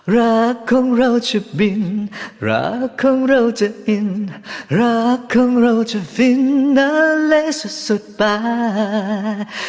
รักของเราจะบินรักของเราจะอินรักของเราจะสินนานและสุดตา